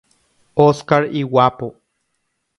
Oscar iguápo.